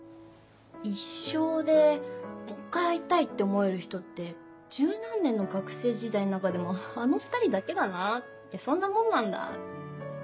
一生でもう一回会いたいって思える人って１０何年の学生時代の中でもあの２人だけだなってそんなもんなんだって。